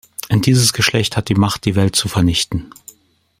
Dieses Geschlecht hat die Macht, die Welt zu vernichten.